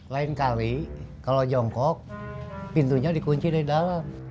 lain kali kalau jongkok pintunya dikunci dari dalam